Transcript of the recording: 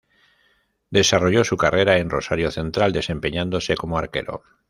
Desarrolló su carrera en Rosario Central, desempeñándose como arquero.